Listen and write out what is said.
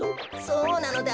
そうなのだ。